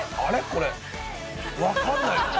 これ分かんないぞ。